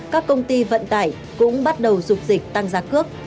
các công ty vận tải cũng bắt đầu dục dịch tăng giá cước